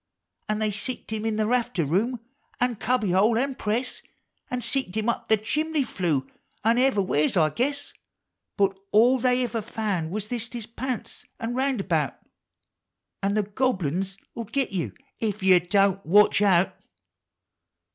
An' they seeked him in the rafter room, an' cubby hole, an press, An' seeked him up the chimbly flue, an' ever' wlieres, I guess; lint all they ever found was thist his pants an' roundabout ! An' the Gobble uns '11 git you Ef you Don't Watch Out